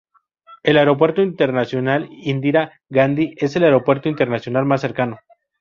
El Aeropuerto Internacional Indira Gandhi es el aeropuerto internacional más cercano.